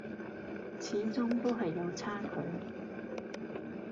始終都係有差距